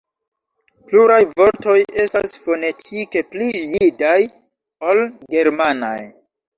Pluraj vortoj estas fonetike pli jidaj ol germanaj.